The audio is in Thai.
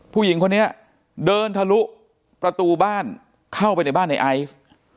ผู้หญิงคนนี้เดินทะลุประตูบ้านเข้าไปในบ้านในไอซ์